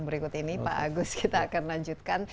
berikut ini pak agus kita akan lanjutkan